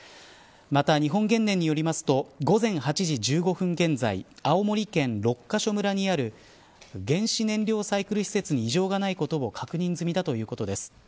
また日本原燃によりますと午前８時１５分現在青森県六ヶ所村にある原子燃料サイクル施設に異常がないことを確認済みだということです。